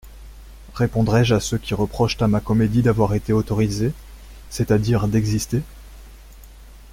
Répondrai-je à ceux qui reprochent à ma comédie d'avoir été autorisée, c'est-à-dire d'exister ?